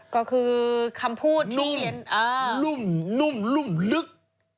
ก็คือคำพูดที่เขียนนุ่มนุ่มลึก